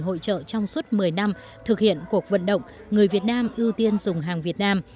hội trợ trong suốt một mươi năm thực hiện cuộc vận động người việt nam ưu tiên dùng hàng việt nam